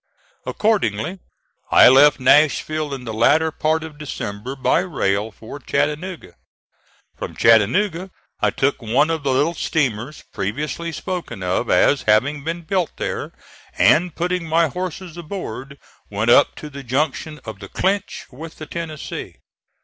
Accordingly I left Nashville in the latter part of December by rail for Chattanooga. From Chattanooga I took one of the little steamers previously spoken of as having been built there, and, putting my horses aboard, went up to the junction of the Clinch with the Tennessee.